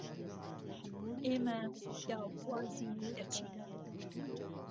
ئێمە داوخوازین دهچین